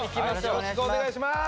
よろしくお願いします！